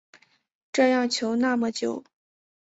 这样求那么久